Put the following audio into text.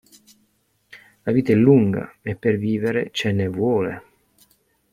La vita è lunga, e per vivere ce ne vuole!